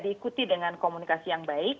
diikuti dengan komunikasi yang baik